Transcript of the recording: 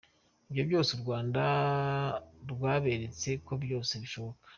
Ibyo byose u Rwanda rwaberetse ko byose bishoboka.